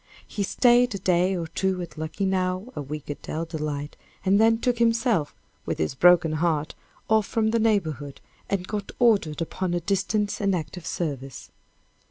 He staid a day or two at Luckenough, a week at Dell Delight, and then took himself, with his broken heart, off from the neighborhood, and got ordered upon a distant and active service.